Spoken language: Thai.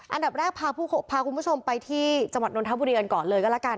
อันดับแรกพาคุณผู้ชมไปจังหวัดนตบรีกันก่อนกันแล้วกัน